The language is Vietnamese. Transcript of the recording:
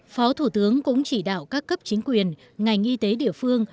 phó thủ tướng cũng chỉ đạo các cấp chính quyền ngành y tế địa phương